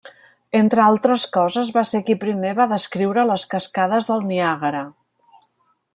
Entre altres coses va ser qui primer va descriure les Cascades del Niàgara.